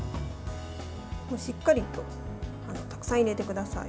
しっかりとたくさん入れてください。